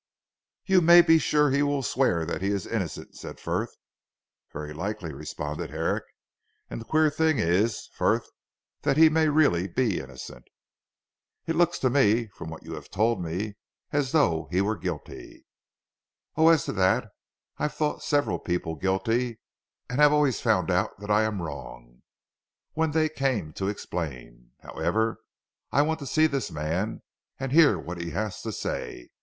"You may be sure he will swear that he is innocent," said Frith. "Very likely," responded Herrick, "and the queer thing is Frith that he may really be innocent." "It looks to me, from what you have told me, as though he were guilty." "Oh, as to that, I've thought several people guilty and have always found out that I am wrong, when they came to explain. However, I want to see this man and hear what he has to say.